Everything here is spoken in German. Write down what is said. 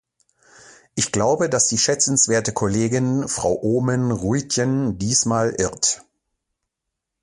Ich glaube, dass die schätzenswerte Kollegin, Frau Oomen-Ruijten, diesmal irrt.